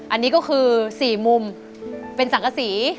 อันนี้ก็คือ๔มุมเป็นสังกษี